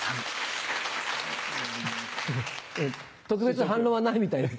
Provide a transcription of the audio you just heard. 特別反論はないみたいです。